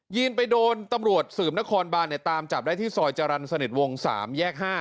ีนไปโดนตำรวจสืบนครบานตามจับได้ที่ซอยจรรย์สนิทวง๓แยก๕